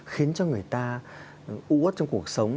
khiến cho người ta ú ớt trong cuộc sống